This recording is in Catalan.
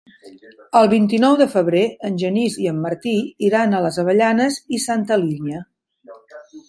El vint-i-nou de febrer en Genís i en Martí iran a les Avellanes i Santa Linya.